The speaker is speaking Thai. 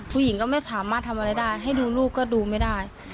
ผู้หญิงก็ไม่สามารถทำอะไรได้ให้ดูลูกก็ดูไม่ได้